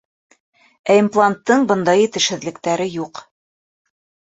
Ә импланттың бындай етешһеҙлектәре юҡ.